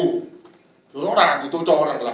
nó đàn thì tôi cho là cái tiếp cận